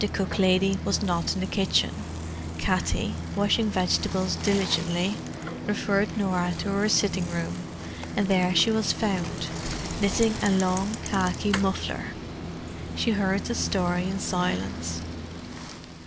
The cook lady was not in the kitchen. Katty, washing vegetables diligently, referred Norah to her sitting room, and there she was found, knitting a long khaki muffler. She heard the story in silence.